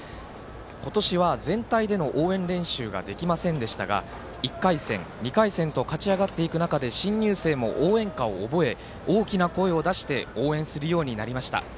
今年は全体での応援練習ができませんでしたが１回戦、２回戦と勝ち上がっていく中で新入生も応援歌を覚えて大きな声を出して応援するようになりました。